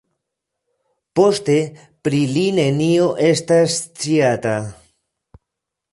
Poste pri li nenio estas sciata.